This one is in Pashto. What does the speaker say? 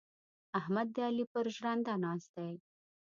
احمد د علي پر ژرنده ناست دی.